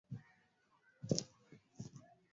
Mbegu za kiume za wanyama wenye ugonjwa wa miguu na midomo